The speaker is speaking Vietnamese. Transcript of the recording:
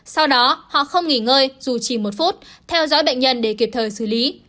sau đó họ không nghỉ ngơi dù chỉ một phút theo dõi bệnh nhân để kịp thời xử lý